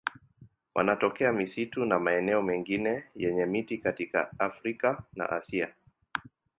Wanatokea misitu na maeneo mengine yenye miti katika Afrika na Asia.